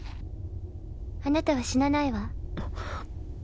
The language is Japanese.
「あなたは死なないわ。